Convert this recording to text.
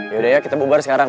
yaudah ya kita bubar sekarang